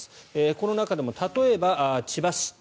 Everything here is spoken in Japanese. この中でも例えば、千葉市。